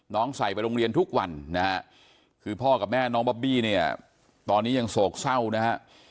ใส่ไปโรงเรียนทุกวันนะฮะคือพ่อกับแม่น้องบอบบี้เนี่ยตอนนี้ยังโศกเศร้านะฮะ